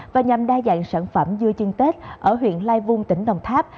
và nhằm đa dạng sản phẩm dưa chân tết ở huyện lai vung tỉnh đồng tháp